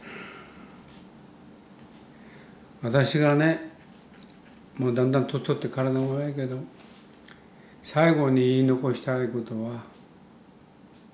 私がねもうだんだん年取って体も悪いけど最後に言い残したいことは。